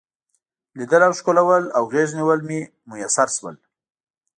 لیدل او ښکلول او غیږ نیول مې میسر شول.